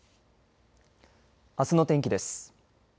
あすの天気です。